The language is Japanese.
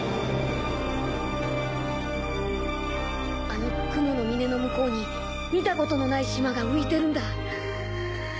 あの雲の峰の向こうに見たことのない島が浮いてるんだ。